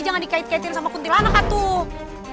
jangan dikait kaitin sama kuntilanak tuh